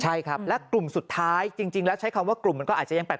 ใช่ครับและกลุ่มสุดท้ายจริงแล้วใช้คำว่ากลุ่มมันก็อาจจะยังแปลก